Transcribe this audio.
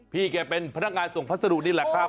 พี่แกเป็นพนักงานส่งพัสดุนี่แหละครับ